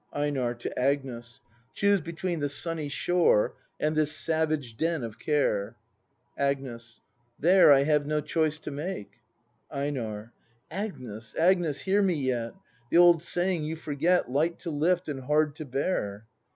Einar. [To Agnes.] Choose between the sunny shore And this savage den of care. Agnes. There I have no choice to make. Einar Agnes, Agnes, hear me yet! The old saying you forget. Light to lift and hard to bear.